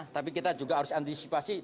tapi kita juga harus antisipasi